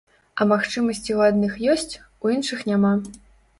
А магчымасці ў адных ёсць, у іншых няма.